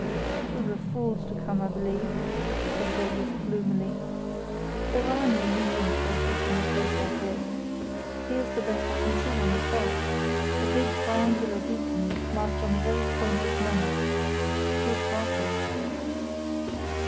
"We were fools to come, I believe," said Davies, gloomily. "There are no meeting places in a place like this. Here's the best I can see on the chart—a big triangular beacon marked on the very point of Memmert. You'll pass it."